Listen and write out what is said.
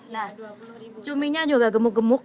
nah cuminya juga gemuk gemuk